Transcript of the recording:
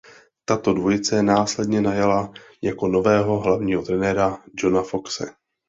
Tato dvojice následně najala jako nového hlavního trenéra Johna Foxe.